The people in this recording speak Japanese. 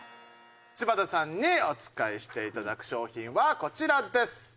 柴田さんにおつかいしていただく商品はこちらです。